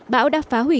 bão đã phá hủy